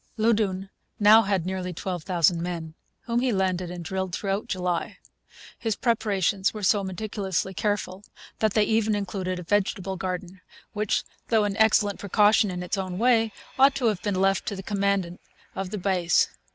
Loudoun now had nearly 12,000 men, whom he landed and drilled' throughout July. His preparations were so meticulously careful that they even included a vegetable garden, which, though an excellent precaution in its own way, ought to have been left to the commandant of the base.